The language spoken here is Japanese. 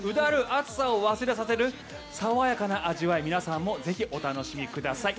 暑さを忘れさせる爽やかな味わい皆さんもぜひお楽しみください。